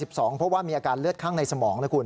เพราะว่ามีอาการเลือดข้างในสมองนะคุณ